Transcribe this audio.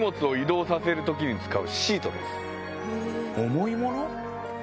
重いもの？